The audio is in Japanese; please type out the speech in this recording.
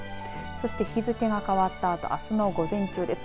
そして日付が変わったあとあすの午前中です。